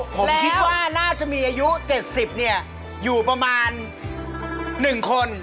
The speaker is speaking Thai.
ผมคิดว่าน่าจะมีอายุ๗๐อยู่ประมาณ๑คน